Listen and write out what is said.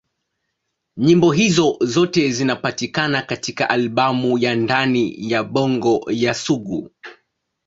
Nyimbo hizo zote zinapatikana katika albamu ya Ndani ya Bongo ya Sugu.